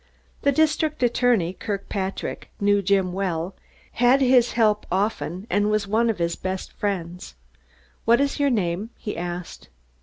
The district attorney, Kirkpatrick, knew Jim well, had his help often and was one of his best friends. "What is your name?" he asked.